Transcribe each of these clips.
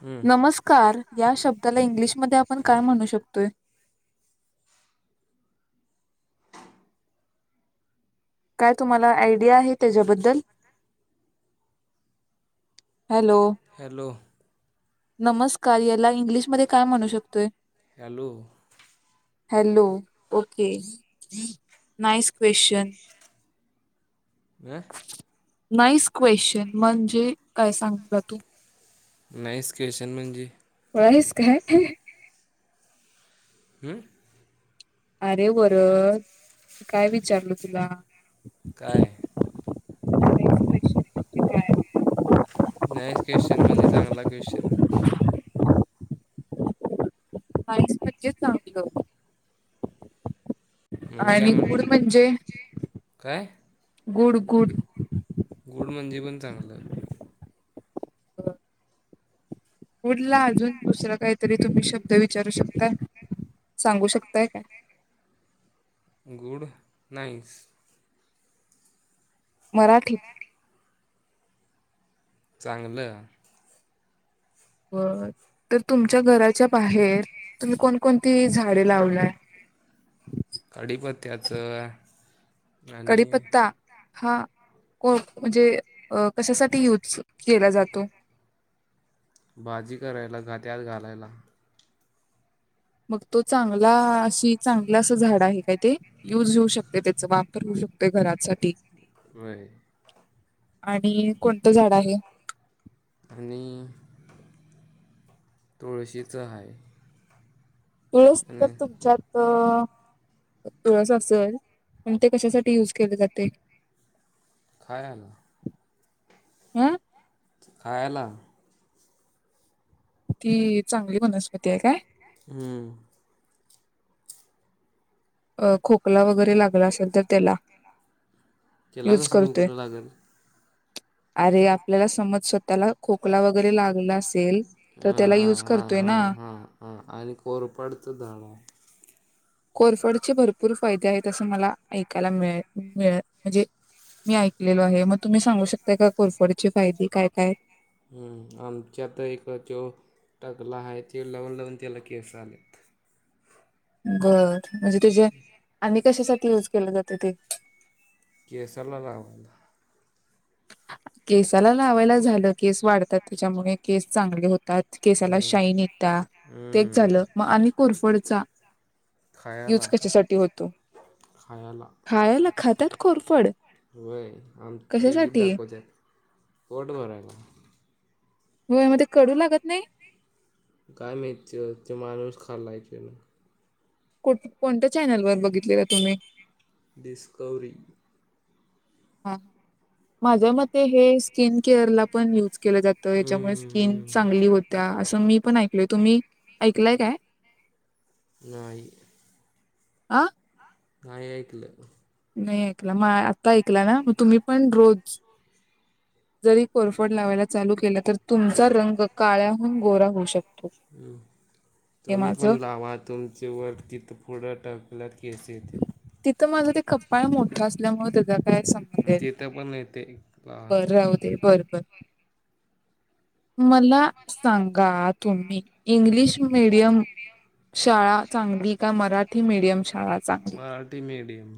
हम्म, नमस्कार या शब्दाला इंग्लिशमध्ये आपण आपण काय म्हणू शकतोय? काय तुम्हाला आयडिया आहे त्याच्याबद्दल? हॅलो हॅलो नमस्कार याला इंग्लिशमध्ये काय म्हणू शकतोय? Hello. Hello okay nice question? व [unintelligible] नाईस क्वेश्चन म्हणजे काय सांग तु? नाही क्वेश्चन म्हणजे? खुळा आहेस काय हम्म. अरे वरद काय विचारलं तुला? काय? नाईस क्वेश्चन म्हणजे काय? नाहीस क्वेश्चन म्हणजे चांगला क्वेश्चन नाईस म्हणजे चांगलं. मग मी आणि काय गुड म्हटलं म्हणजे? काय? गुड गुड गुड म्हणजे पण चांगलं. गुड ला अजून दुसरा काहीतरी तुम्ही शब्द विचारू शकता? सांगू शकताय काय? Good nice. मराठी चांगलं. बरं तर तुमच्या घराच्या बाहेर तुम्ही कोण कोणती झाडे लावलाय? काडीपत्त्याचं आणि कडीपत्ता हा को म्हणजे कशासाठी यूज केला जातो? [unintelligible] भाजी करायला का त्यात आत घालायला. मग तो चांगला अशी चांगलं अस झाड आहे का ते? काय ते युज होऊ शकते त्याचा वापर होऊ शकतो शकतोय घरासाठी होय. आणि कोणतं झाड आहे? आणि तुळशीचं आहे. तुळस तर आणि तुमच्यात तुळस असेल पण ते कशासाठी युज केले जाते? खायला हं खायला ती चांगली वनस्पती आहे काय? हं अं खोकला वगैरे लागला असेल तर त्याला त्याला यूज कस करतोय. खोकला लागल? अरे आपल्याला समज स्वतःला खोकला वगैरे लागला. असेल तर ह त्याला हा यूज हा करतोय हा ना. हा हा आणि कोरफडच झाड आहे कोरफडचे भरपूर फायदे आहेत असं मला ऐकायला मिळ मिळ म्हणजे मी ऐकलेलो आहे. मग तुम्ही सांगू शकताय का कोरफडची फायदे काय काय? हं आमच्या एक त्यो टकला आहे ते लावून लावून त्याला केस आलेत. बर म्हणजे ते जे आणि कशासाठी युज केलं जातं ते? केसला लावायला. केसाला लावायला झालं. केस वाढतात. त्याच्यामुळे केस चांगले होत. त्या केसाला हम्म शाईन येती तेच हम्म झालं मग आणि कोरफडचा? युज खायाला कशासाठी होतो? खायाला खायला खातात कोरफड होय आम टीव्हीत कशासाठी? दाखवतात पोट भरायलाच होय मग ते कडू लागत नाही? काय माहित? ते माणूस खाल्लाय त्यान कोणत्या चॅनलवर बघितले तुम्ही? डिस्कवरी माझ्या मते हे स्किन केअर ला पण युज केलं जातं याच्यामुळे स्किन हम्म चांगली होतीय. असं मी पण ऐक मी पण ऐकलय तुम्ही ऐकलय काय? नाही. आं नाही ऐकलं. नाही ऐकला मग आता ऐकला ना मग तुम्ही पण रोज जरी कोरफड लावायला चालू केलं. तर तुमचा रंग काळ्याहून गोरा होऊ शकतो. हं हे तुम्ही माझं पण लावा तुमच्या वर तिथं पुढं टाकल्यावर केस ते ते माझा ते कपाळ मोठं असल्यामुळे त्याच म तिथं येते पण नाही ते बरं राहू दे बर बर मला सांगा तुम्ही इंग्लिश मीडियम शाळा चांगली का? मराठी मीडियम शाळा चांगली? मराठी मीडियम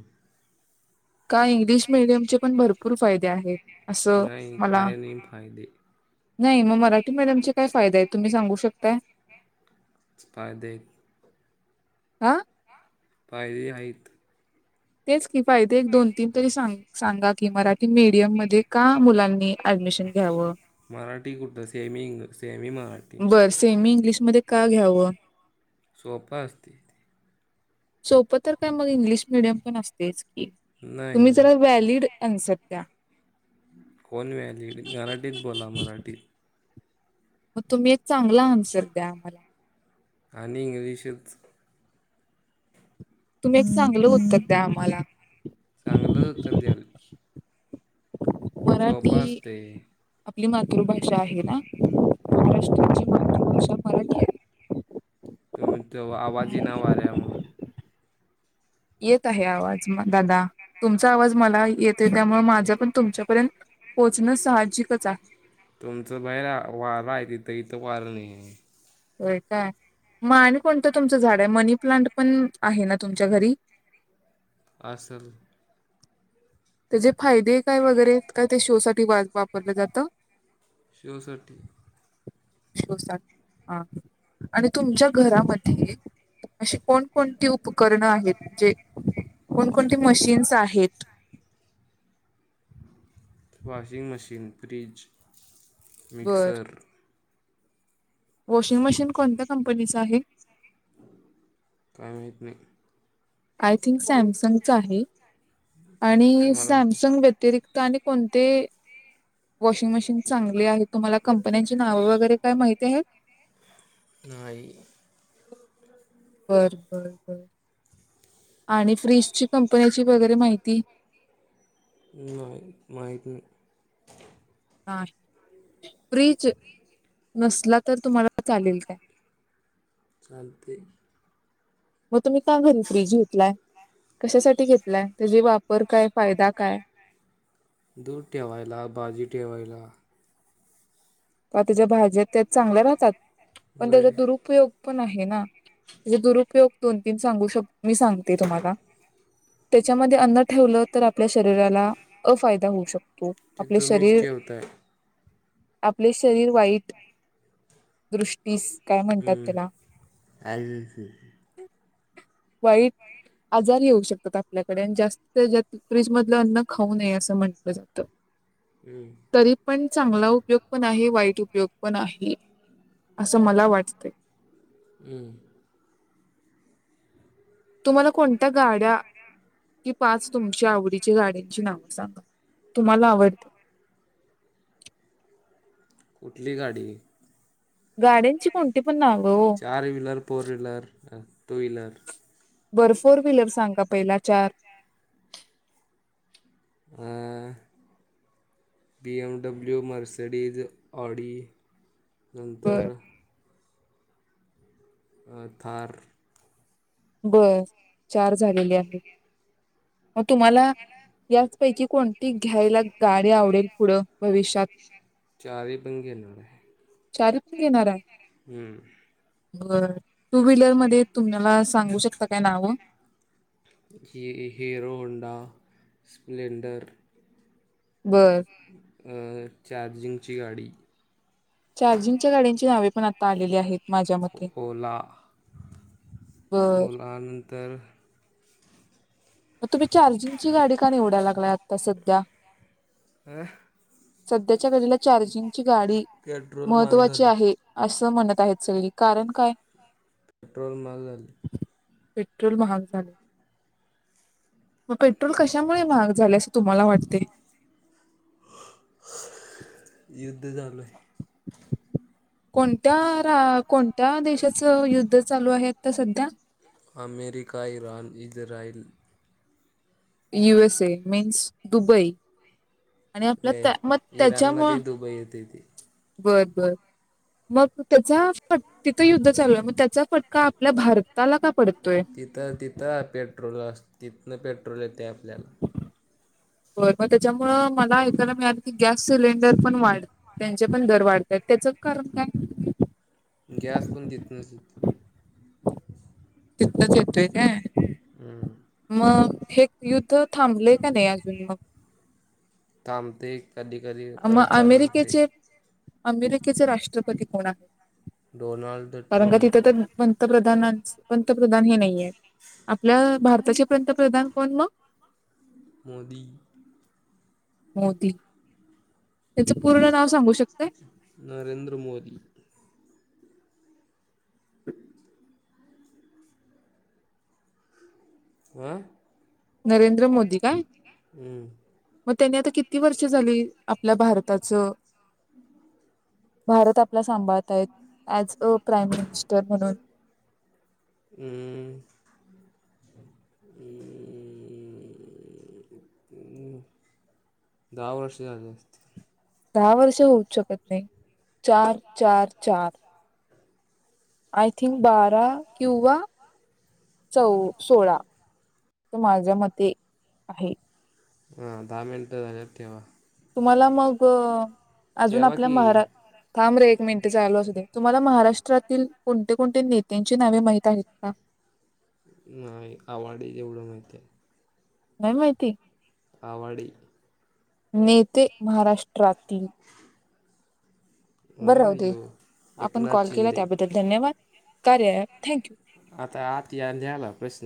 का इंग्लिश मीडियामचे पण भरपूर फायदे आहेत. असं नाही मला काही नाही फायदे नाही मग मराठी मीडियमचे काय फायदे आहेत तुम्ही सांगू शकताय? फायदे आा फायदे आहेतत तेच की फायदे एक दोन तीन तरी सांग सांगा की मराठी मीडियम मध्ये का मुलांनी ऍडमिशन घ्यावं मराठी कुठे सेमींग सेमी मराठी इंग्लिशमध्येध्ये का घ्यावं सोपे असे असतेत सोपं तर काय मग इंग्लिश मिडियम पण असतेच की तुम्ही नाही जरा व्हॅलिड [unintelligible] कोण व्हॅलीड मराठीत बोला मराठीत मग तुम्ही एक चांगला आन्सर द्या मला आणि इंग्लिशच तुम्ही एक चांगलं उत्तर दया आम्हाला चांगलं तर द्याल सोपं मराठी असते आपली मातृभाषा आहे ना हम्म महाराष्ट्राची मातृभाषा मराठी आहे तुमचं आवाज येईना वाऱ्या म्हणून येत आहे आवाज दादा तुमचा आवाज मला येते त्यामुळे माझं पण तुमच्यापर्यंत पोहोचणं साहजिकच आहे तुमचं बाहेर वार आहे तिथं इथं वारं नाही आहे होय काय मग आणि कोणतं तुमचं झाड आहे मनी प्लांट पण आहे ना तुमच्या घरी असेल त्याचे फायदे काय वगैरे काय ते शो साठी वापरलं जातं शो साठी शो साठी हा आणि तुमच्या घरामध्ये अशी कोणकोणती उपकरणं आहेत जे कोणकोणती मशीन्स आहेत वॉशिंग मशीन फ्रिज बर मिक्सर वॉशिंग मशीन कोणत्या कंपनीचं आहे काय माहित नाही आय थिंक सॅमसंगच आहे आणि तुम्हाला सॅमसंग व्यतिरिक्त आणि कोणते वॉशिंग मशीन चांगली आहे तुम्हाला कंपन्यांची नावं वगैरे काय माहिती आहेत नाहीई हो आणि फ्रीजची कंपनीची वगैरे माहिती मा माहीती नाही ह फ्रिज नसला तर तुम्हाला चालेल काय चालते मग तुम्ही का घरी फ्रीज घेतलाय कशासाठी घेतलाय त्याचा वापर काय फायदा काय? दूध ठेवायला भाजी ठेवायला का त्याच्या भाज्या त्या चांगल्या राहतात पण त्याचा वय दुरुपयोग पण आहे ना त्याचा दुरुपयोग दोन तीन सांगू शक मी सांगते तुम्हाला त्यांच्यामध्ये अन्न ठेवलं तर आपल्या शरीराला अफायदा होऊ शकतो ते आपले तुम्हीच शरीर ठेवताय आपले शरीर वाईट दृष्टीस काय म्हणतात हम् त्याला अ वाईट आजार येऊ शकतात. आपल्याकडे आणि जास्त फ्रीज मधलं अन्न खाऊ नये असं म्हंटलं जातं. तरी पण चांगला उपयोग पण आहे वाईट उपयोग पण आहे. असं मला वाटतेंय! हं. तुम्हाला कोणत्या गाड्या कि पाच तुमच्या आवडी गाडची नाव सांगा तुम्हाला आवडणाऱ्या कुठली गाडी गाड्यांची कोणती - चार wheeler four wheeler two wheeler बर फोर व्हीलर सांगा पहिला चार अ B M W, Mercedes, Audi, बर नंतर थार, बस चार झालेले आहे. म तुम्हाला याचपैकी कोणती घ्यायला गाडी आवडेल. पुढ भविष्यात चारही पण घेणाराय चारी पण घेणार हाय हम्म बरं टू व्हीलर मध्ये तुम्हाला सांगू शकता काय नाव हीरो होंडा. स्पलेंडर. बरं चार्जिंग ची गाडी चार्जिंगच्या गाड्यांची नावे पण आता आलेली आहेत. माझ्या मते. ओला बर ओला नंतर मग तुम्ही चार्जिंगची गाडी का निवडायला लागलाय आता सध्या ह सध्याच्या गडीला चार्जिंगची गाडी पेट्रोल महाग महत्त्वाची झाले आहे. असं म्हणत आहेत. सगळी कारण काय पेट्रोल म्हाग झालय पेट्रोल महाग झाले. मग पेट्रोल कशामुळे महाग झाले असे तुम्हाला वाटते! [inaudible] युद्ध चालुय कोणत्या रा कोणत्या देशाचं युद्ध चालू आहे. आता सध्या America, Iran, Israel US A means Dubai आणि आपल्या ए त्या मग इराणमध्ये दुबई येतेय ते बरं बरं मग त्याचा फट तिथं युद्ध चालू आहे. मग त्याचा फटका आपल्या भारताला का पडतोय? तिथ तिथ पेट्रोल अस तिथनं पेट्रोल येतय आपल्याला बर मग त्याच्यामुळं मला ऐकायला मिळालं की गॅस सिलेंडर पण वाढ त्यांचे पण दर वाढलेत त्याच कारण काय? गॅस पण तितनंच येतंय. तिथनच येतोय काय? हम् मग हे युद्ध थांबलेय का नाही अजून मग थांबते कधी कधी मग परत चालू होतय अमेरिकेचे अमेरिकेचे राष्ट्रपती कोण आहेत. डोनाल्ड कारण का तिथे ट्रम्प तर पंतप्रधाना - पंतप्रधान हे नाहीयत. आपल्या भारताचे पंतप्रधान कोण मग मोदी मोती त्यांचं पूर्ण नाव सांगू शक - नरेंद्र मोदी आ नरेंद्र मोदी काय हम्म मग त्यांनी आता किती वर्ष झाली आपल्या भारताचं भारत आपला सांभाळताय ऍज अ प्राईम मिनिस्टर म्हणून [unintelligible] ह. ए [unintelligible] दहा वर्ष झाले असते. दहा वर्ष होऊ शकत नाही चार चार चार आय थिंक बारा क्युवा चौ सोळा तर माझ्या मते आहे. हा दहा मिनिट झाल्या ठेवा. तुम्हाला मग अजून ठेवा आपल्या की महारात थांब रेल. एक मिनट आलो अस दे तुम्हाला महाराष्ट्रातील कोणते कोणते नेत्यांची नावे माहित आहेत का. [unintelligible] नाही आवाडी जेवढं मात नाही माहिती आवडी नेते महाराष्ट्रातील बरं हां होते यो आपण एकनाथ कॉल केला शिंदे त्याबद्दल धन्यवाद कार्य आहे थँक्यू आता आत न्याला प्रश्न